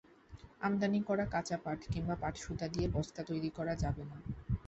আমদানি করা কাঁচা পাট কিংবা পাটসুতা দিয়ে বস্তা তৈরি করা যাবে না।